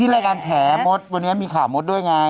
ที่รายการแชร์มสวันนี้มีข่าวมสด้วยไง